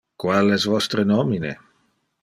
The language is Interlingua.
Qual es vostre nomine?